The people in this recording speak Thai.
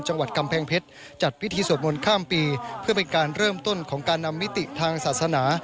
จังหวัดกำแพงเพชรจัดพิธีสวดมนต์ข้ามปีเพื่อเป็นการเริ่มต้นของการนำมิติทางศาสนา